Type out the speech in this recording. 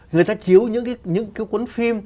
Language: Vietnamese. người ta chiếu những cái cuốn phim